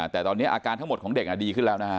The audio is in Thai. แต่ตอนนี้อาการทั้งหมดของเด็กดีขึ้นแล้วนะฮะ